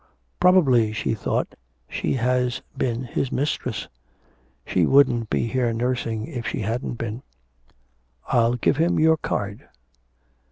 'Probably,' she thought, 'she has been his mistress. She wouldn't be here nursing, if she hadn't been.' 'I'll give him your card.'